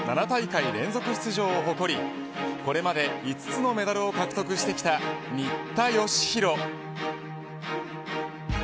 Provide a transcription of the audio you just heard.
７大会連続出場を誇りこれまで５つのメダルを獲得してきた新田佳浩。